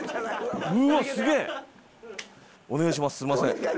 「お願いします」。